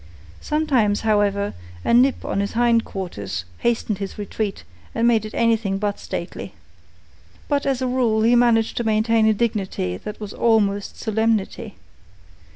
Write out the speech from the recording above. Sometimes, however, a nip on his hind quarters hastened his retreat and made it anything but stately. But as a rule he managed to maintain a dignity that was almost solemnity.